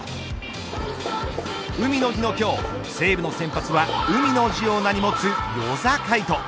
海の日の今日、西武の先発は海の字を名に持つ與座海人。